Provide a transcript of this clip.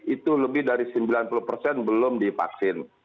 itu lebih dari sembilan puluh persen belum divaksin